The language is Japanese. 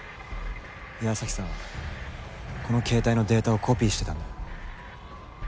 岩崎さんはこの携帯のデータをコピーしてたんだよ。